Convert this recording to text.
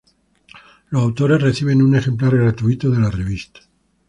Los autores reciben un ejemplar gratuito de la revista.